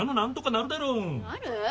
なる！